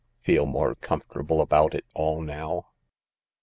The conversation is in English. Feel more comfortable about it all now